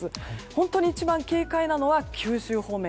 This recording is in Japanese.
本当に一番警戒なのは九州方面。